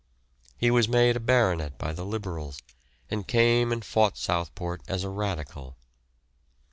He was made a baronet by the Liberals, and came and fought Southport as a Radical.